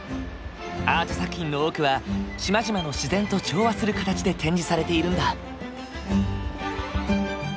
アート作品の多くは島々の自然と調和する形で展示されているんだ。